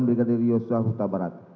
bikin yusof sabarat